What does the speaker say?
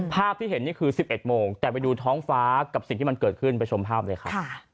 ภาพที่เห็นนี่คือ๑๑โมงแต่ไปดูท้องฟ้ากับสิ่งที่มันเกิดขึ้นไปชมภาพเลยครับ